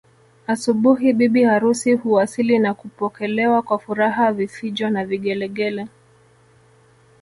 Asubuhi bibi harusi huwasili na kupokelewa kwa furaha vifijo na vigelegele